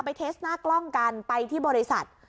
เทสหน้ากล้องกันไปที่บริษัท